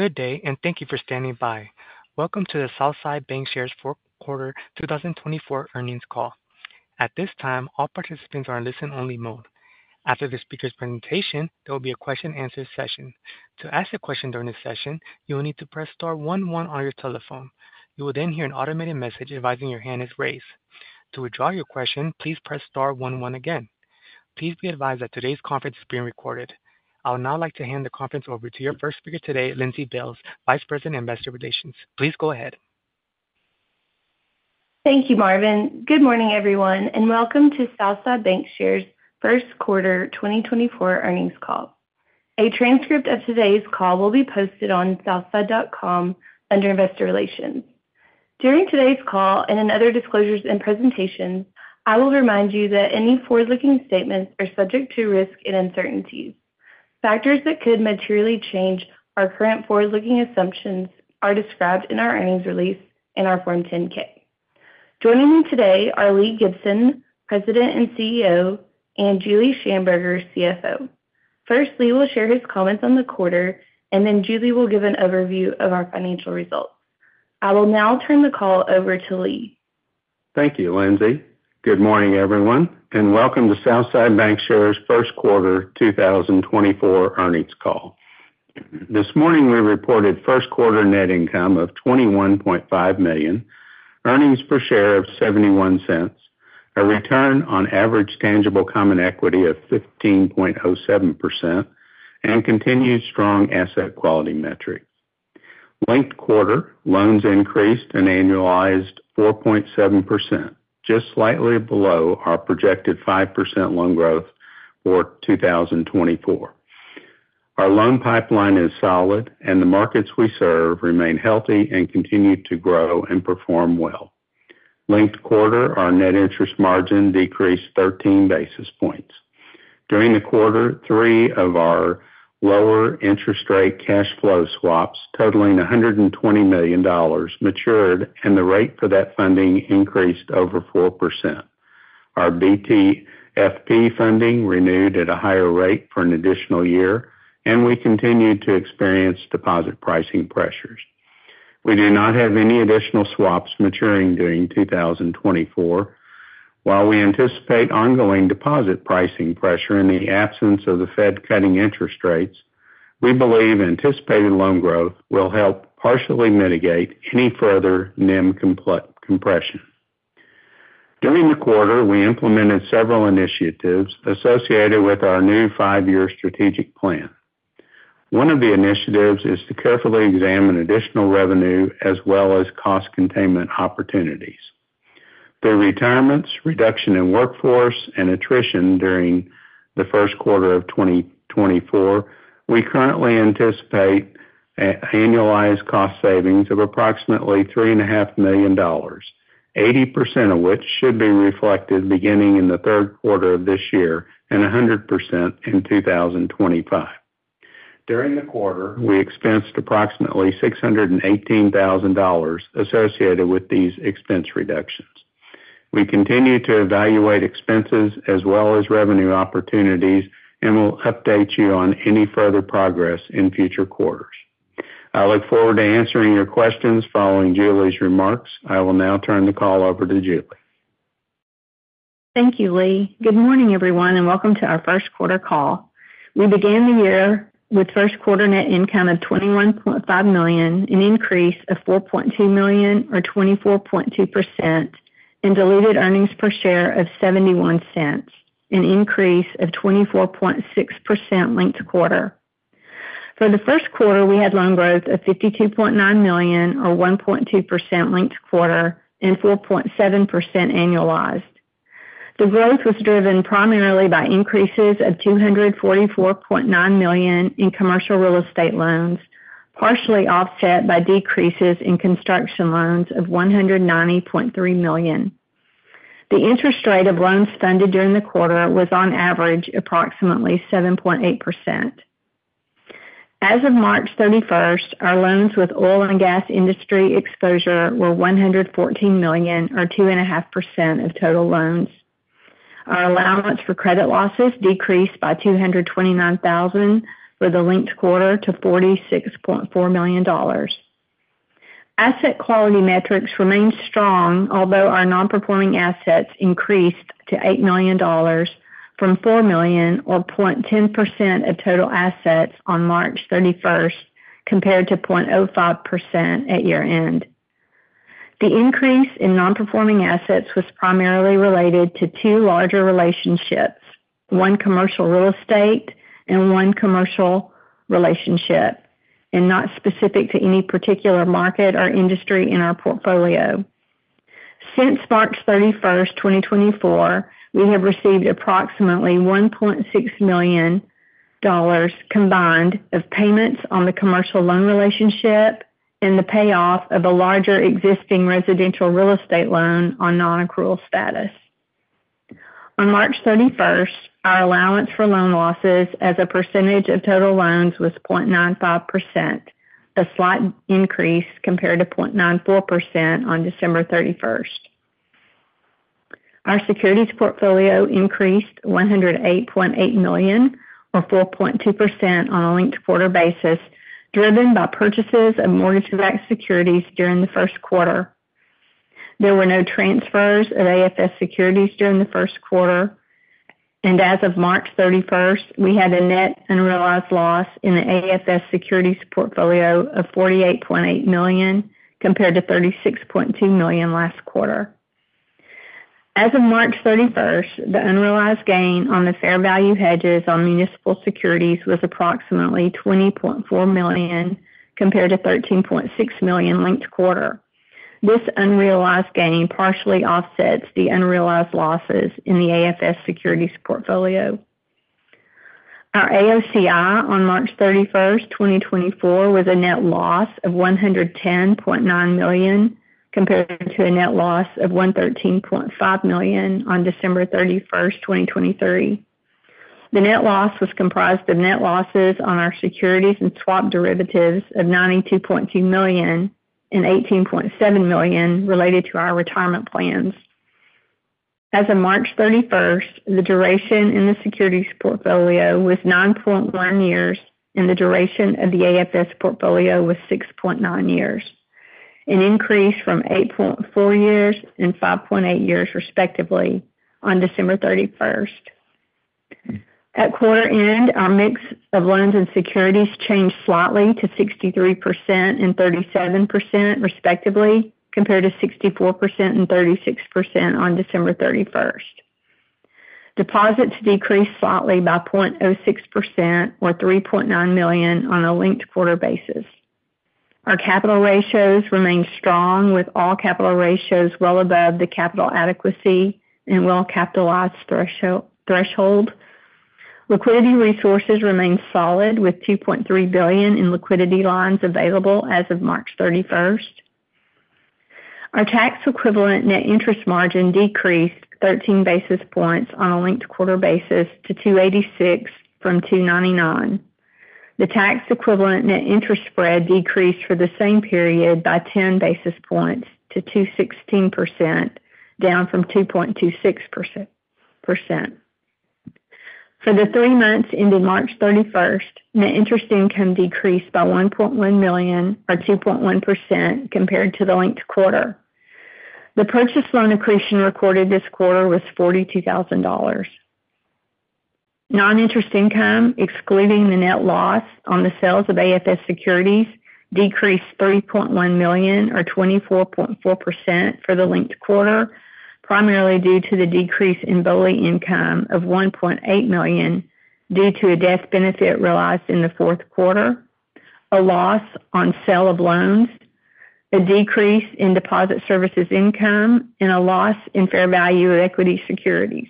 Good day, and thank you for standing by. Welcome to the Southside Bancshares fourth Quarter 2024 earnings call. At this time, all participants are in listen-only mode. After the speaker's presentation, there will be a question-and-answer session. To ask a question during this session, you will need to press star one one on your telephone. You will then hear an automated message advising your hand is raised. To withdraw your question, please press star one one again. Please be advised that today's conference is being recorded. I would now like to hand the conference over to your first speaker today, Lindsey Bailes, Vice President Investor Relations. Please go ahead. Thank you, Marvin. Good morning, everyone, and welcome to Southside Bancshares first quarter 2024 earnings call. A transcript of today's call will be posted on southside.com under Investor Relations. During today's call and in other disclosures and presentations, I will remind you that any forward-looking statements are subject to risk and uncertainties. Factors that could materially change our current forward-looking assumptions are described in our earnings release and our Form 10-K. Joining me today are Lee Gibson, President and CEO, and Julie Shamburger, CFO. First, Lee will share his comments on the quarter, and then Julie will give an overview of our financial results. I will now turn the call over to Lee. Thank you, Lindsey. Good morning, everyone, and welcome to Southside Bancshares first Quarter 2024 earnings call. This morning, we reported first Quarter net income of $21.5 million, earnings per share of $0.71, a return on average tangible common equity of 15.07%, and continued strong asset quality metrics. Linked-quarter loans increased an annualized 4.7%, just slightly below our projected 5% loan growth for 2024. Our loan pipeline is solid, and the markets we serve remain healthy and continue to grow and perform well. Linked-quarter, our net interest margin decreased 13 basis points. During the quarter, three of our lower interest rate cash flow swaps totaling $120 million matured, and the rate for that funding increased over 4%. Our BTFP funding renewed at a higher rate for an additional year, and we continue to experience deposit pricing pressures. We do not have any additional swaps maturing during 2024. While we anticipate ongoing deposit pricing pressure in the absence of the Fed cutting interest rates, we believe anticipated loan growth will help partially mitigate any further NIM compression. During the quarter, we implemented several initiatives associated with our new five-year strategic plan. One of the initiatives is to carefully examine additional revenue as well as cost containment opportunities. Through retirements, reduction in workforce, and attrition during the first quarter of 2024, we currently anticipate annualized cost savings of approximately $3.5 million, 80% of which should be reflected beginning in the third quarter of this year and 100% in 2025. During the quarter, we expensed approximately $618,000 associated with these expense reductions. We continue to evaluate expenses as well as revenue opportunities and will update you on any further progress in future quarters. I look forward to answering your questions following Julie's remarks. I will now turn the call over to Julie. Thank you, Lee. Good morning, everyone, and welcome to our first quarter call. We began the year with first quarter net income of $21.5 million, an increase of $4.2 million or 24.2%, and diluted earnings per share of $0.71, an increase of 24.6% linked-quarter. For the first quarter, we had loan growth of $52.9 million or 1.2% linked-quarter and 4.7% annualized. The growth was driven primarily by increases of $244.9 million in commercial real estate loans, partially offset by decreases in construction loans of $190.3 million. The interest rate of loans funded during the quarter was, on average, approximately 7.8%. As of March 31st, our loans with oil and gas industry exposure were $114 million or 2.5% of total loans. Our allowance for credit losses decreased by $229,000 for the linked-quarter to $46.4 million. Asset quality metrics remained strong, although our non-performing assets increased to $8 million from $4 million or 0.10% of total assets on March 31st compared to 0.05% at year-end. The increase in non-performing assets was primarily related to two larger relationships, one commercial real estate and one commercial relationship, and not specific to any particular market or industry in our portfolio. Since March 31st, 2024, we have received approximately $1.6 million combined of payments on the commercial loan relationship and the payoff of a larger existing residential real estate loan on non-accrual status. On March 31st, our allowance for loan losses as a percentage of total loans was 0.95%, a slight increase compared to 0.94% on December 31st. Our securities portfolio increased $108.8 million or 4.2% on a linked-quarter basis, driven by purchases of mortgage-backed securities during the first quarter. There were no transfers of AFS securities during the first quarter, and as of March 31st, we had a net unrealized loss in the AFS securities portfolio of $48.8 million compared to $36.2 million last quarter. As of March 31st, the unrealized gain on the fair value hedges on municipal securities was approximately $20.4 million compared to $13.6 million linked-quarter. This unrealized gain partially offsets the unrealized losses in the AFS securities portfolio. Our AOCI on March 31st, 2024, was a net loss of $110.9 million compared to a net loss of $113.5 million on December 31st, 2023. The net loss was comprised of net losses on our securities and swap derivatives of $92.2 million and $18.7 million related to our retirement plans. As of March 31st, the duration in the securities portfolio was 9.1 years, and the duration of the AFS portfolio was 6.9 years, an increase from 8.4 years and 5.8 years, respectively, on December 31st. At quarter-end, our mix of loans and securities changed slightly to 63% and 37%, respectively, compared to 64% and 36% on December 31st. Deposits decreased slightly by 0.06% or $3.9 million on a linked-quarter basis. Our capital ratios remained strong, with all capital ratios well above the capital adequacy and well-capitalized threshold. Liquidity resources remained solid, with $2.3 billion in liquidity lines available as of March 31st. Our tax equivalent net interest margin decreased 13 basis points on a linked-quarter basis to 286 from 299. The tax equivalent net interest spread decreased for the same period by 10 basis points to 2.16%, down from 2.26%. For the three months ending March 31st, net interest income decreased by $1.1 million or 2.1% compared to the linked-quarter. The purchased loan accretion recorded this quarter was $42,000. Non-interest income, excluding the net loss on the sales of AFS securities, decreased $3.1 million or 24.4% for the linked-quarter, primarily due to the decrease in BOLI income of $1.8 million due to a death benefit realized in the fourth quarter, a loss on sale of loans, a decrease in deposit services income, and a loss in fair value of equity securities.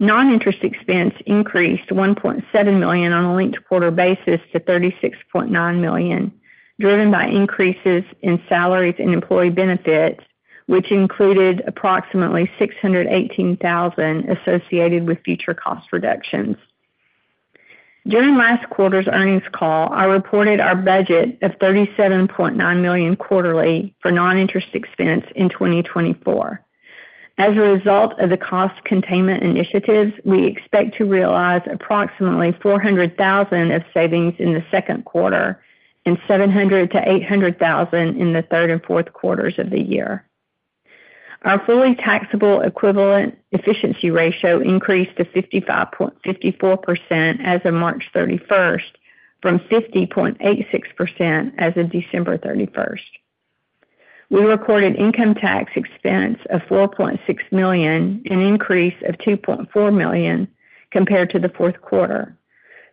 Non-interest expense increased $1.7 million on a linked-quarter basis to $36.9 million, driven by increases in salaries and employee benefits, which included approximately $618,000 associated with future cost reductions. During last quarter's earnings call, I reported our budget of $37.9 million quarterly for non-interest expense in 2024. As a result of the cost containment initiatives, we expect to realize approximately $400,000 of savings in the second quarter and $700,000-$800,000 in the third and fourth quarters of the year. Our fully taxable equivalent efficiency ratio increased to 55.54% as of March 31st from 50.86% as of December 31st. We recorded income tax expense of $4.6 million, an increase of $2.4 million compared to the fourth quarter.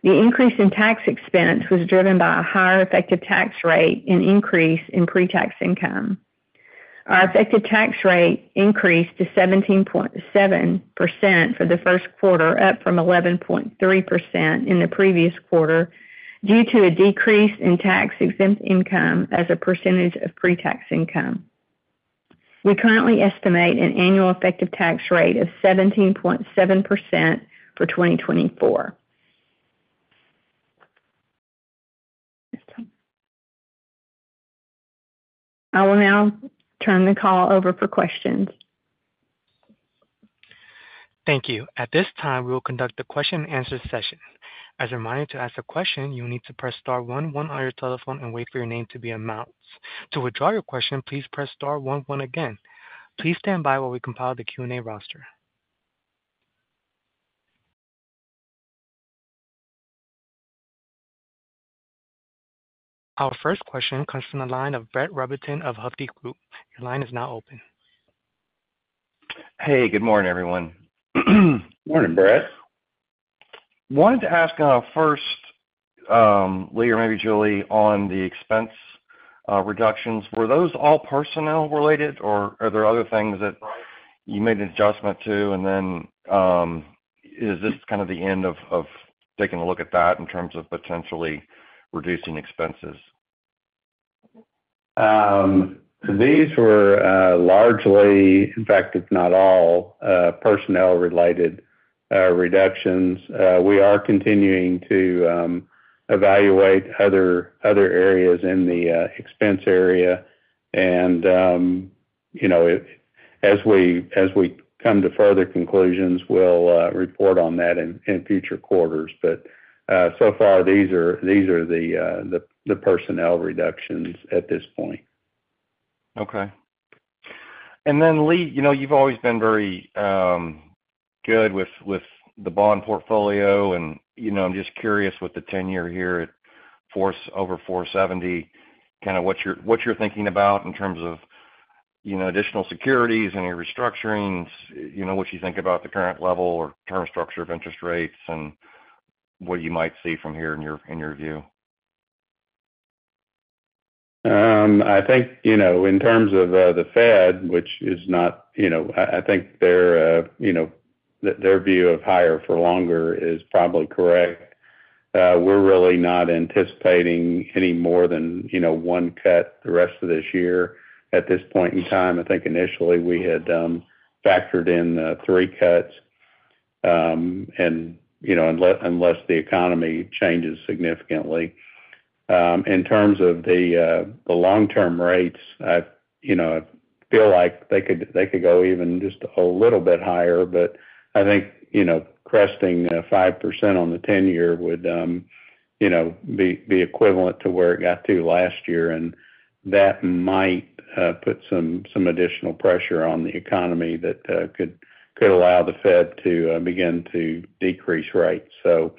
The increase in tax expense was driven by a higher effective tax rate and increase in pre-tax income. Our effective tax rate increased to 17.7% for the first quarter, up from 11.3% in the previous quarter due to a decrease in tax-exempt income as a percentage of pre-tax income. We currently estimate an annual effective tax rate of 17.7% for 2024. I will now turn the call over for questions. Thank you. At this time, we will conduct the question-and-answer session. As a reminder, to ask a question, you will need to press star one one on your telephone and wait for your name to be announced. To withdraw your question, please press star one one again. Please stand by while we compile the Q&A roster. Our first question comes from the line of Brett Rabatin of Hovde Group. Your line is now open. Hey, good morning, everyone. Morning, Brett. Wanted to ask first, Lee, or maybe Julie, on the expense reductions. Were those all personnel-related, or are there other things that you made an adjustment to, and then is this kind of the end of taking a look at that in terms of potentially reducing expenses? These were largely, in fact, if not all, personnel-related reductions. We are continuing to evaluate other areas in the expense area, and as we come to further conclusions, we'll report on that in future quarters. But so far, these are the personnel reductions at this point. Okay. And then, Lee, you've always been very good with the bond portfolio, and I'm just curious with the 10-year here at over 470, kind of what you're thinking about in terms of additional securities and your restructurings, what you think about the current level or term structure of interest rates, and what you might see from here in your view? I think in terms of the Fed, I think their view of higher for longer is probably correct. We're really not anticipating any more than one cut the rest of this year. At this point in time, I think initially, we had factored in three cuts unless the economy changes significantly. In terms of the long-term rates, I feel like they could go even just a little bit higher, but I think cresting 5% on the 10-year would be equivalent to where it got to last year, and that might put some additional pressure on the economy that could allow the Fed to begin to decrease rates. So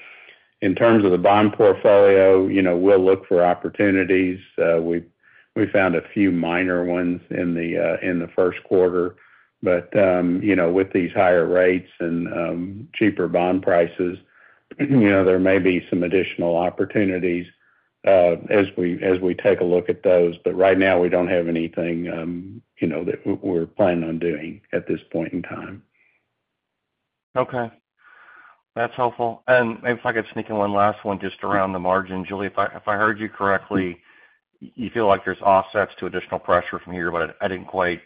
in terms of the bond portfolio, we'll look for opportunities. We found a few minor ones in the first quarter, but with these higher rates and cheaper bond prices, there may be some additional opportunities as we take a look at those. But right now, we don't have anything that we're planning on doing at this point in time. Okay. That's helpful. And maybe if I could sneak in one last one just around the margin. Julie, if I heard you correctly, you feel like there's offsets to additional pressure from here, but I didn't quite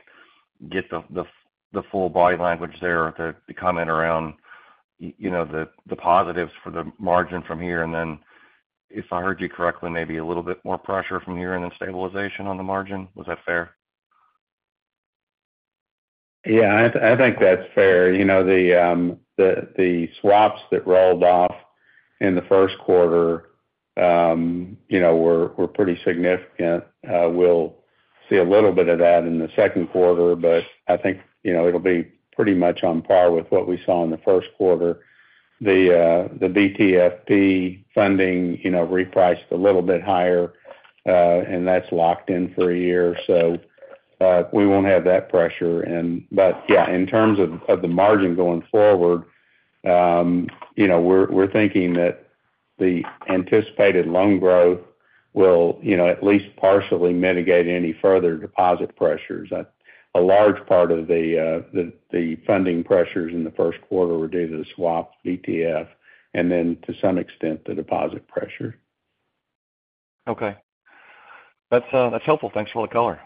get the full body language there, the comment around the positives for the margin from here. And then if I heard you correctly, maybe a little bit more pressure from here and then stabilization on the margin. Was that fair? Yeah, I think that's fair. The swaps that rolled off in the first quarter were pretty significant. We'll see a little bit of that in the second quarter, but I think it'll be pretty much on par with what we saw in the first quarter. The BTFP funding repriced a little bit higher, and that's locked in for a year, so we won't have that pressure. But yeah, in terms of the margin going forward, we're thinking that the anticipated loan growth will at least partially mitigate any further deposit pressures. A large part of the funding pressures in the first quarter were due to the swaps, BTFP and then, to some extent, the deposit pressure. Okay. That's helpful. Thanks for all the color.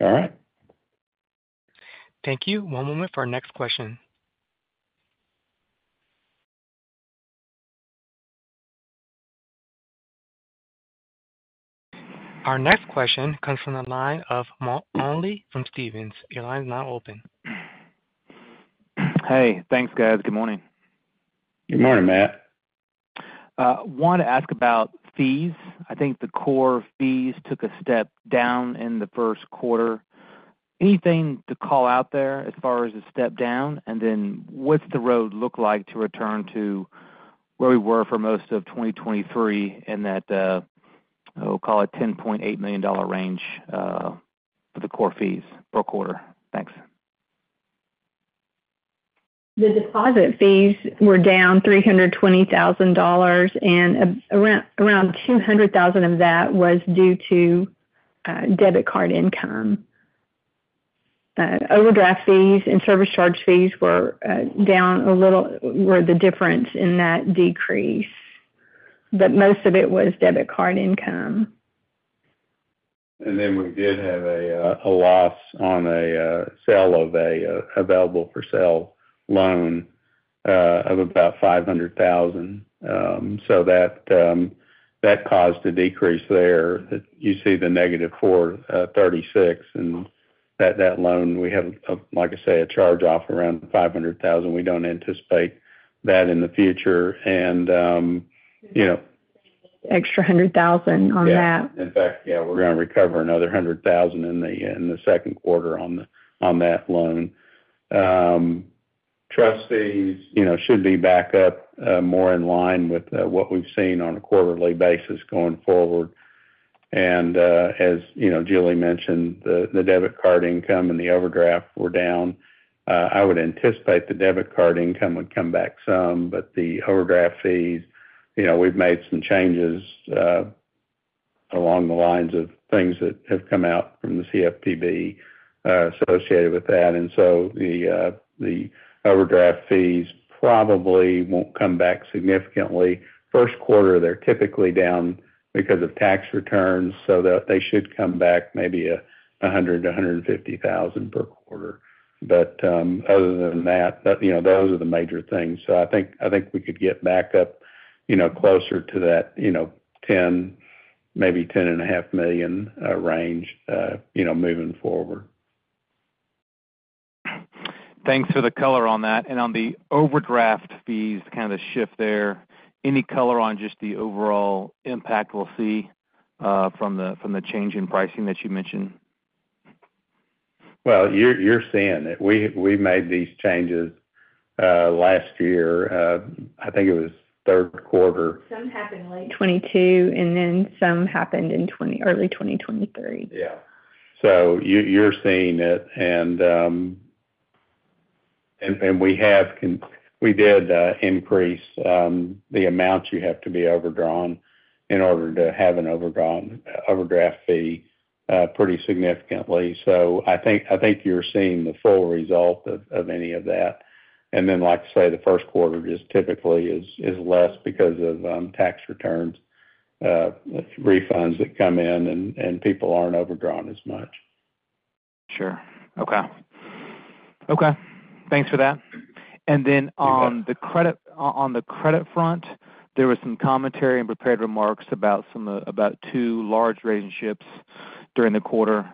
All right. Thank you. One moment for our next question. Our next question comes from the line of Matt Olney from Stephens. Your line is now open. Hey, thanks, guys. Good morning. Good morning, Matt. Want to ask about fees. I think the core fees took a step down in the first quarter. Anything to call out there as far as a step down, and then what's the road look like to return to where we were for most of 2023 in that, I'll call it, $10.8 million range for the core fees per quarter? Thanks. The deposit fees were down $320,000, and around $200,000 of that was due to debit card income. Overdraft fees and service charge fees were down a little, were the difference in that decrease, but most of it was debit card income. Then we did have a loss on the sale of an available-for-sale loan of about $500,000. So that caused a decrease there. You see the negative 436, and that loan, we had, like I say, a charge-off around $500,000. We don't anticipate that in the future, and. Extra $100,000 on that. Yeah. In fact, yeah, we're going to recover another $100,000 in the second quarter on that loan. Trust fees should be back up more in line with what we've seen on a quarterly basis going forward. And as Julie mentioned, the debit card income and the overdraft were down. I would anticipate the debit card income would come back some, but the overdraft fees, we've made some changes along the lines of things that have come out from the CFPB associated with that. And so the overdraft fees probably won't come back significantly. First quarter, they're typically down because of tax returns, so they should come back maybe $100,000- 150,000 per quarter. But other than that, those are the major things. So I think we could get back up closer to that $10 million, maybe $10.5 million range moving forward. Thanks for the color on that. On the overdraft fees, kind of the shift there, any color on just the overall impact we'll see from the change in pricing that you mentioned? Well, you're seeing it. We made these changes last year. I think it was third quarter. Some happened late 2022, and then some happened in early 2023. Yeah. So you're seeing it, and we did increase the amount you have to be overdrawn in order to have an overdraft fee pretty significantly. So I think you're seeing the full result of any of that. And then, like I say, the first quarter just typically is less because of tax returns refunds that come in, and people aren't overdrawn as much. Sure. Thanks for that. Then on the credit front, there was some commentary and prepared remarks about two large rating shifts during the quarter.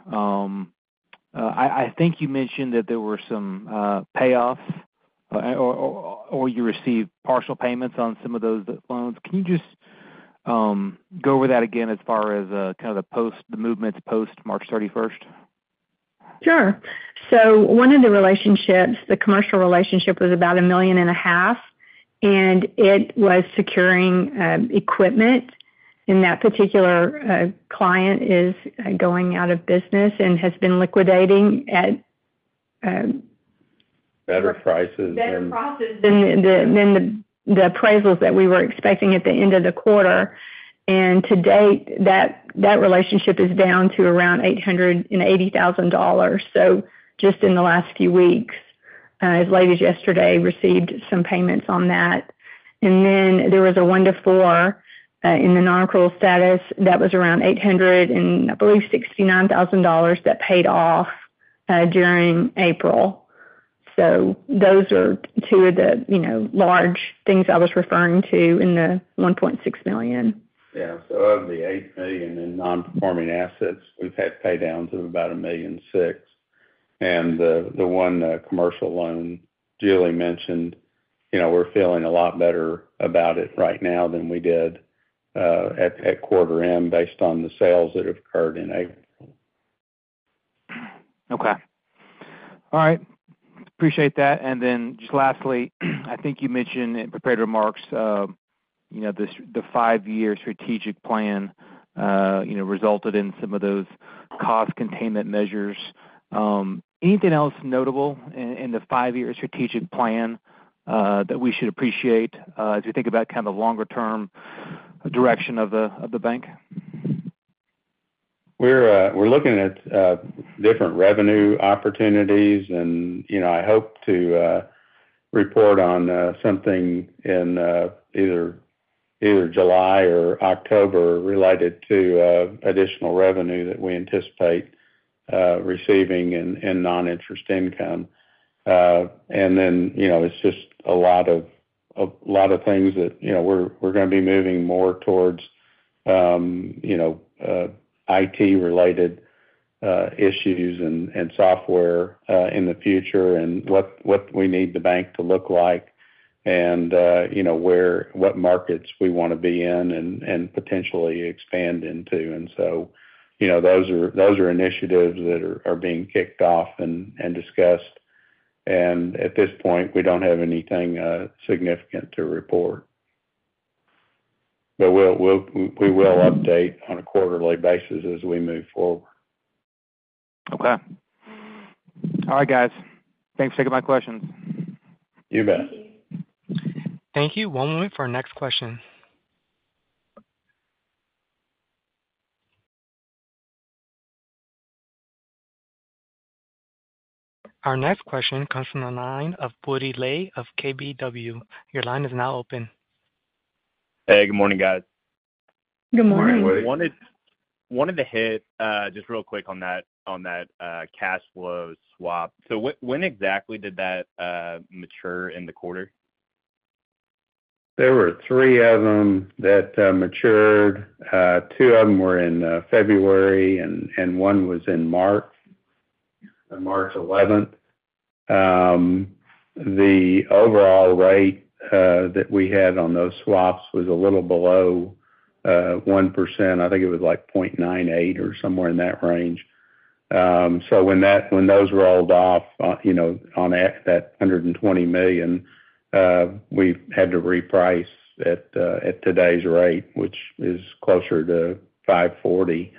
I think you mentioned that there were some payoffs or you received partial payments on some of those loans. Can you just go over that again as far as kind of the movements post March 31st? Sure. So one of the relationships, the commercial relationship, was about $1.5 million, and it was securing equipment. And that particular client is going out of business and has been liquidating at. Better prices than. Better prices than the appraisals that we were expecting at the end of the quarter. To date, that relationship is down to around $880,000. Just in the last few weeks, as late as yesterday, received some payments on that. Then there was a one-to-four in the non-accrual status that was around $800,000 and, I believe, $69,000 that paid off during April. Those are two of the large things I was referring to in the $1.6 million. Yeah. So of the $8 million in non-performing assets, we've had paydowns of about $1.6 million. And the one commercial loan Julie mentioned, we're feeling a lot better about it right now than we did at quarter-end based on the sales that have occurred in April. Okay. All right. Appreciate that. And then just lastly, I think you mentioned in prepared remarks the five-year strategic plan resulted in some of those cost containment measures. Anything else notable in the five-year strategic plan that we should appreciate as we think about kind of the longer-term direction of the bank? We're looking at different revenue opportunities, and I hope to report on something in either July or October related to additional revenue that we anticipate receiving in non-interest income. And then it's just a lot of things that we're going to be moving more towards IT-related issues and software in the future and what we need the bank to look like and what markets we want to be in and potentially expand into. And so those are initiatives that are being kicked off and discussed. And at this point, we don't have anything significant to report, but we will update on a quarterly basis as we move forward. Okay. All right, guys. Thanks for taking my questions. You bet. Thank you. One moment for our next question. Our next question comes from the line of Woody Lay of KBW. Your line is now open. Hey, good morning, guys. Good morning. I wanted to hit just real quick on that cash flow swap. When exactly did that mature in the quarter? There were three of them that matured. Two of them were in February, and one was in March, March 11th. The overall rate that we had on those swaps was a little below 1%. I think it was like 0.98 or somewhere in that range. So when those rolled off on that $120 million, we had to reprice at today's rate, which is closer to 540.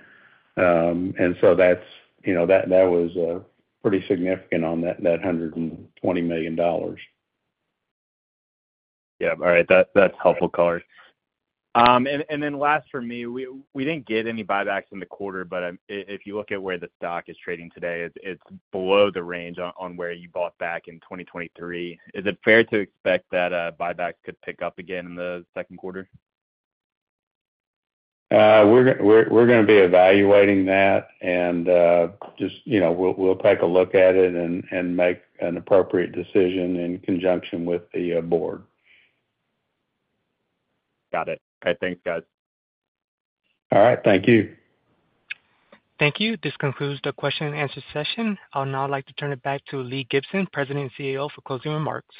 And so that was pretty significant on that $120 million. Yeah. All right. That's helpful, color. And then last for me, we didn't get any buybacks in the quarter, but if you look at where the stock is trading today, it's below the range on where you bought back in 2023. Is it fair to expect that buybacks could pick up again in the second quarter? We're going to be evaluating that, and just we'll take a look at it and make an appropriate decision in conjunction with the board. Got it. All right. Thanks, guys. All right. Thank you. Thank you. This concludes the question and answers session. I'll now like to turn it back to Lee Gibson, President and CEO, for closing remarks.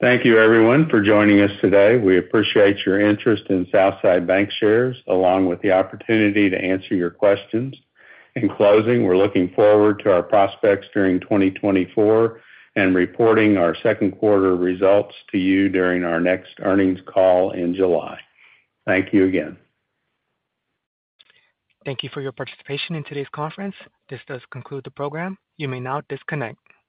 Thank you, everyone, for joining us today. We appreciate your interest in Southside Bancshares along with the opportunity to answer your questions. In closing, we're looking forward to our prospects during 2024 and reporting our second quarter results to you during our next earnings call in July. Thank you again. Thank you for your participation in today's conference. This does conclude the program. You may now disconnect.